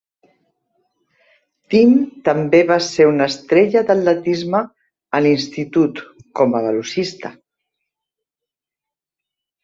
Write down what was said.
Tim també va ser una estrella de l'atletisme a l'institut com a velocista.